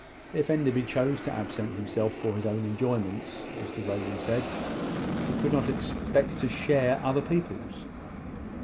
If Enderby chose to absent himself for his own enjoyments, Mr Rowland said, he could not expect to share other people's.